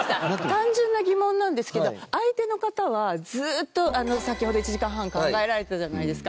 単純な疑問なんですけど相手の方は、ずっと、先ほど１時間半考えられてたじゃないですか。